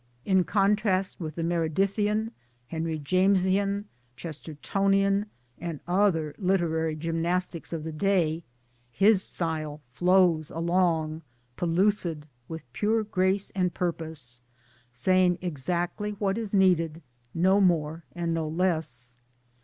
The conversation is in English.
In contrast with the Meredithian, Henry Jamesian, Chestertonian, and other literary gymnastics of the day, his style flows along, pellucid with pure grace and purpose, saying exactly what is needed, no more and no less.